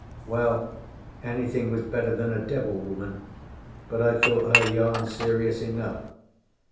Well, anything was better than a devil woman, but I thought her yarn serious enough.